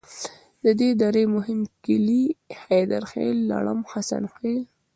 د دې درې مهم کلي حیدرخیل، لړم، حسن خیل.